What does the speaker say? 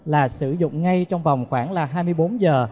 là sử dụng ngay trong vòng khoảng là hai mươi bốn giờ